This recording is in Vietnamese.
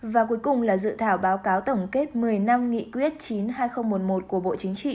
và cuối cùng là dự thảo báo cáo tổng kết một mươi năm nghị quyết chín hai nghìn một mươi một của bộ chính trị